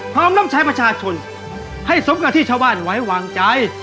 พร้อมรับใช้ประชาชนให้สมกับที่ชาวบ้านไว้วางใจ